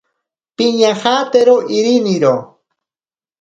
Piñajatero iriniro.